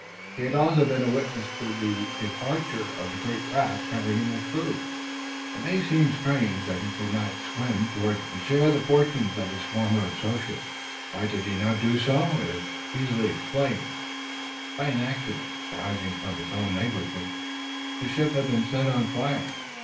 He had also been a witness to the departure of the great raft carrying the crew. It may appear strange that he did not swim towards it, and share the fortunes of his former associates. Why he did not do so is easily explained. By an accident, arising from his own negligence, the ship had been set on fire.